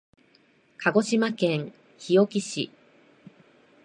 鹿児島県日置市